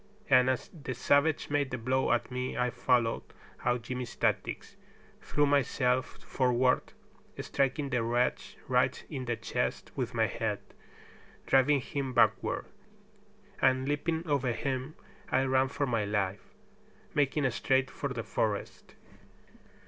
And as the savage made the blow at me I followed out Jimmy's tactics, threw myself forward, striking the wretch right in the chest with my head, driving him backward, and leaping over him I ran for my life, making straight for the forest.